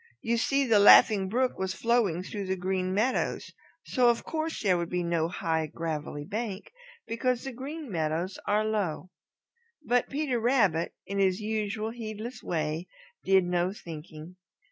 You see, the Laughing Brook was flowing through the Green Meadows, so of course there would be no high, gravelly bank, because the Green Meadows are low. But Peter Rabbit, in his usual heedless way, did no thinking.